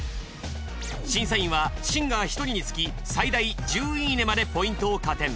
審査員はシンガー１人につき最大「１０いいね！」までポイントを加点。